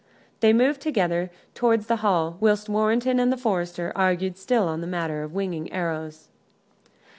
They moved together towards the hall, whilst Warrenton and the forester argued still on the matter of winging arrows.